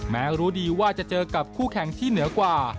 รู้ดีว่าจะเจอกับคู่แข่งที่เหนือกว่า